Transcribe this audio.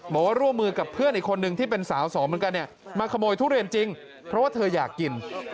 บอกว่าร่วมมือกับเพื่อนอีกคนนึงที่เป็นสาวสองเหมือนกันเนี่ยมาขโมยทุเรียนจริงเพราะว่าเธออยากกิน